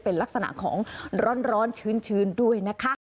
เป็นลักษณะของร้อนชื้นด้วยนะคะ